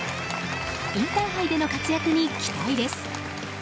インターハイでの活躍に期待です。